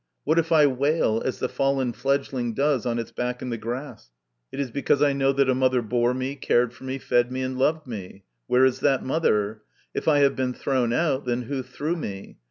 What if I wail, as the fallen fledgling does on its back in the grass? It is because I know that a mother bore me, cared for me, fed me, and loved me. Where is that mother ? If I have been thrown out, then who threw me